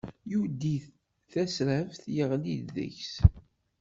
Yuddi tasraft yeɣli deg-s